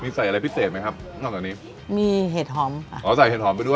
มีใส่อะไรพิเศษไหมครับนอกจากนี้มีเห็ดหอมค่ะอ๋อใส่เห็ดหอมไปด้วย